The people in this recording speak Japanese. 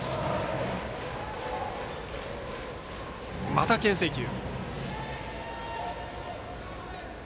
またけん制球。